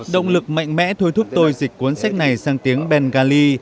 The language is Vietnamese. động lực mạnh mẽ thôi thúc tôi dịch cuốn sách này sang tiếng bengali